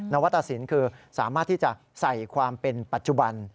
นวัตตสินคือสามารถที่จะใส่ความเป็นปัจจุบัน